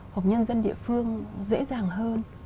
hoặc nhân dân địa phương dễ dàng hơn